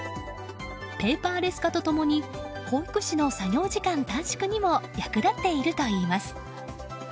ペーパーレス化と共に保育士の作業時間短縮にも役立っているといいます。